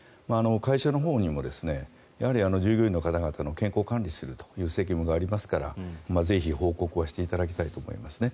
会社のほうにもやはり従業員の方々の健康を管理するという責務がありますからぜひ、報告はしていただきたいと思いますね。